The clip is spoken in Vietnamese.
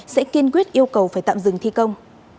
sẽ kiên quyết yêu cầu phải tạm dừng thi công